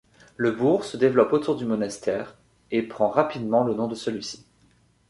Le bourg se développe autour du monastère et prend rapidement le nom de celui-ci.